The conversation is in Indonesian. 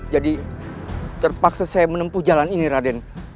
jadi terpaksa saya menempuh jalan ini raden